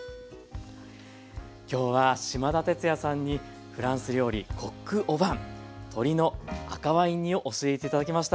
今日は島田哲也さんにフランス料理コック・オ・ヴァン鶏の赤ワイン煮を教えて頂きました。